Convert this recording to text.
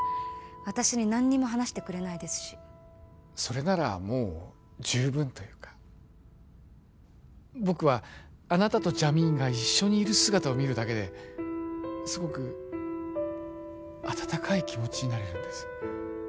私に何にも話してくれないですしそれならもう十分というか僕はあなたとジャミーンが一緒にいる姿を見るだけですごくあたたかい気持ちになれるんです